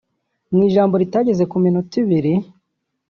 Mu ijambo ritageze ku minota ibiri